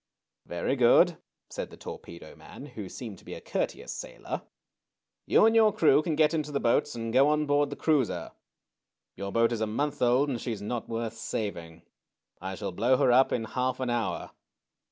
"Very good," said the torpedo man, who seemed to be a courteous sailor. " You and your crew can get into the boats and go on board the cruiser. Your boat is a month old, and she's not worth saving. I shall blow her up in half an hour.